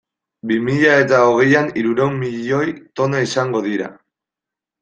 Bi mila eta hogeian hirurehun milioi tona izango dira.